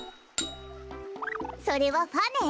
それはファね。